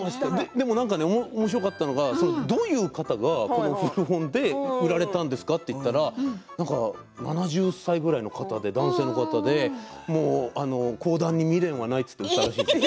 でも、おもしろかったのがどういう方がこの古本で売られたんですかと言ったら７０歳ぐらいの方、男性の方で講談に未練はないといって売られたそうです。